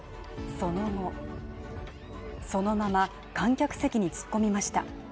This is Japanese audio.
その後そのまま観客席に突っ込みました。